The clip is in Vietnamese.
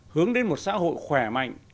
hướng đến một xã hội khỏe mạnh